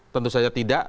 tentu saja tidak